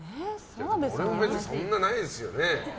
俺も別にそんなないですよね